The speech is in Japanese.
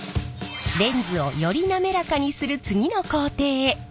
レンズをよりなめらかにする次の工程へ。